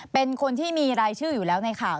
เป็นคนที่มีรายชื่ออยู่แล้วในข่าว